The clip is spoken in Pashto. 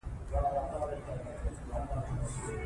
د پوهې وده د ټولنیزې سولې او امنیت لپاره بنسټ جوړوي.